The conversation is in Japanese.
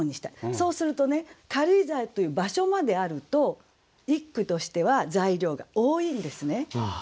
そうするとね「軽井沢」という場所まであると一句としては材料が多いんですね。